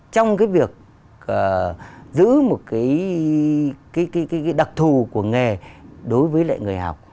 trong việc giữ một đặc thù của nghề đối với người học